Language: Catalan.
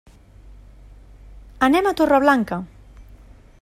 Anem a Torreblanca.